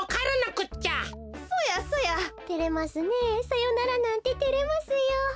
さよならなんててれますよ。